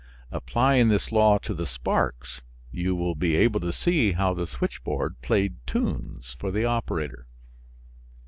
Applying this law to the sparks, you will be able to see how the switchboard played tunes for the operator.